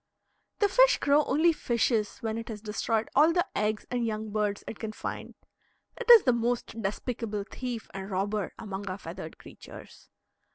The fish crow only fishes when it has destroyed all the eggs and young birds it can find. It is the most despicable thief and robber among our feathered creatures.